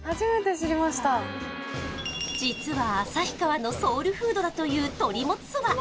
実は旭川のソウルフードだという鳥もつそば